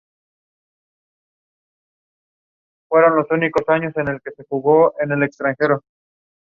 It was classified as kosher dairy.